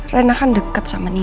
rena kan deket sama nino